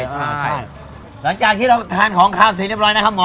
ใช่หลังจากที่เราทานของข้าวเสร็จเรียบร้อยนะครับหมอ